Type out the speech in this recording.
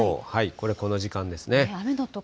これ、この時間ですね。